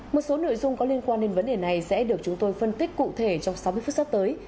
một số nội dung có liên quan đến vấn đề này sẽ được chúng tôi phân tích cụ thể trong sáu mươi phút sắp tới